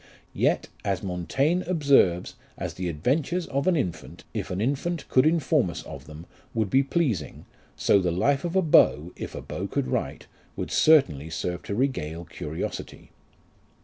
Yet, as Montaigne observes, as the adventures of an infant, if an infant could inform us of them, would be pleasing, so the life of a beau, if a beau could write, would certainly serve to regale curiosity.